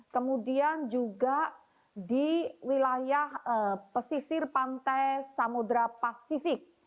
kemudian juga di wilayah pesisir pantai samudera pasifik